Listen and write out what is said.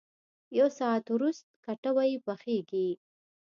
یو ساعت ورست کټوۍ پخېږي.